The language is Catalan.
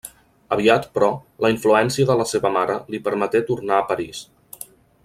Aviat, però, la influència de la seva mare li permeté tornà a París.